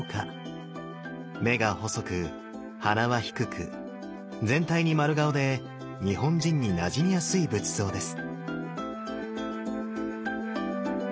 目が細く鼻は低く全体に丸顔で日本人になじみやすい仏像です。